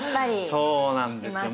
そうなんですよ。